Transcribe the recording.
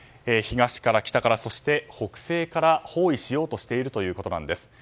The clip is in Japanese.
東から、北から、そして北西から包囲しようとしているんです。